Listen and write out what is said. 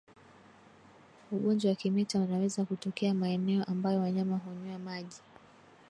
Ugonjwa wa kimeta unaweza kutokea maeneo ambayo wanyama hunywea maji